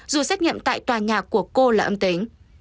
dù xét nghiệm tại tòa nhà của cô là âm tính